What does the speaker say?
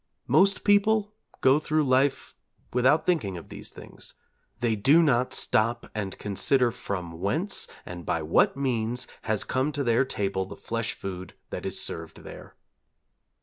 Most people go through life without thinking of these things: they do not stop and consider from whence and by what means has come to their table the flesh food that is served there.